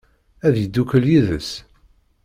Ad yeddukel yid-s?